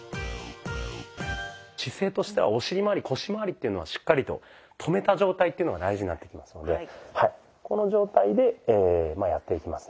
姿勢としてはお尻まわり腰まわりというのをしっかりと止めた状態っていうのが大事になってきますのでこの状態でやっていきますね。